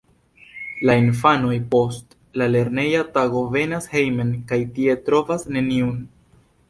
La infanoj post la lerneja tago venas hejmen kaj tie trovas neniun.